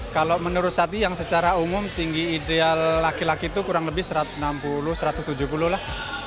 kalau menurut saya yang secara umum tinggi ideal laki laki itu kurang lebih satu ratus enam puluh satu ratus tujuh puluh lah